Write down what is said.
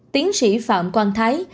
tiến sĩ phạm quang thái